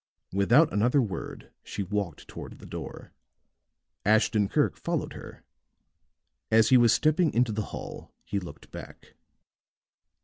Without another word she walked toward the door. Ashton Kirk followed her; as he was stepping into the hall he looked back.